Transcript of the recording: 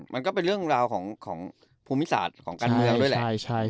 มันก็เป็นเรื่องราวของภูมิศาสตร์ของการเมืองด้วยแหละ